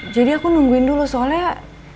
aku nungguin dulu soalnya